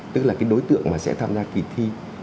tức là cái đối tượng mà sẽ tham gia kỳ thi